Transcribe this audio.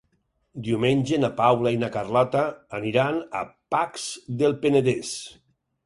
Diumenge na Paula i na Carlota aniran a Pacs del Penedès.